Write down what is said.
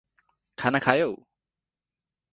खाना खायौं?